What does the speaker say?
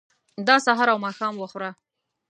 دا سهار او ماښام وخوره.